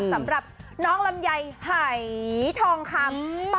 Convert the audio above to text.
สำหรับน้องลำไยหายทองคำ